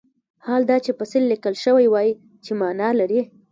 حال دا چې فصیل لیکل شوی وای چې معنی لري.